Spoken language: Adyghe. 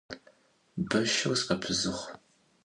Beşır s'epızığ.